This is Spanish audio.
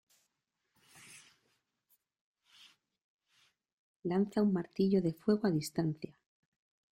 Lanza un martillo de fuego a distancia.